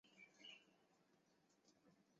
屈佩尔利。